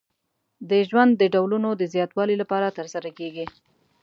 د ژوند د ډولونو د زیاتوالي لپاره ترسره کیږي.